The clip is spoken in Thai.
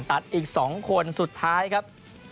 อีก๒คนสุดท้ายครับ